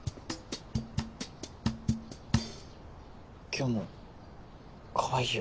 今日もかわいいよ。